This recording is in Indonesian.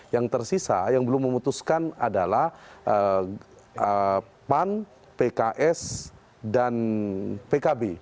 yang tersisa yang belum memutuskan adalah pan pks dan pkb